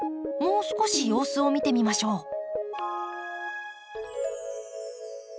もう少し様子を見てみましょう。